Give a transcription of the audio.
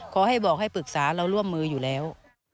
ขอให้บอกให้ปรึกษาเราร่วมมืออยู่แล้ว